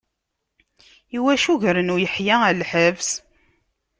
Iwacu gren Uyeḥya ɣer lḥebs?